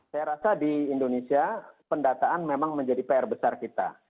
saya rasa di indonesia pendataan memang menjadi pr besar kita